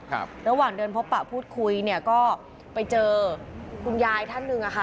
ระหว่างเดินพบประพูดคุยก็ไปเจอคุณยายท่านหนึ่ง